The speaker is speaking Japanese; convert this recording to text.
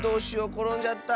ころんじゃった。